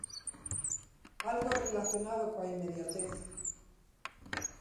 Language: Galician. Algo relacionado coa inmediatez.